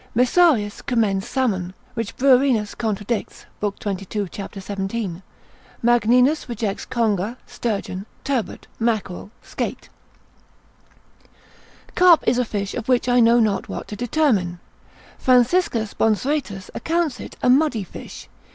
Messarius commends salmon, which Bruerinus contradicts, lib. 22. c. 17. Magninus rejects conger, sturgeon, turbot, mackerel, skate. Carp is a fish of which I know not what to determine. Franciscus Bonsuetus accounts it a muddy fish.